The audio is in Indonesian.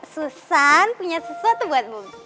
susan punya sesuatu buat bobby